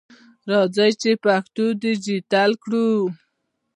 راځئ چې پښتو ډیجټالي کړو!